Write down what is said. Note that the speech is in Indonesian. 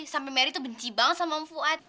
sampai meri tuh benci banget sama om fuad